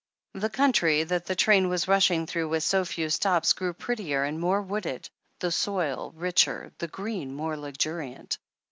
The country that the train was rushing through with so few stops grew prettier and more wooded, the soil richer, the green more luxuriant.